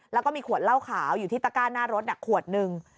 แล้วก็มีขวดเหล้าขาวอยู่ที่ตะก้าหน้ารถขวดหนึ่ง